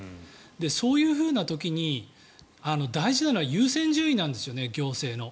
そういう時に大事なのは優先順位なんですよね、行政の。